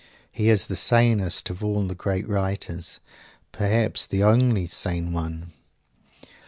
He is the sanest of all the great writers; perhaps the only sane one.